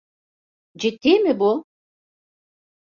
Ciddi mi bu?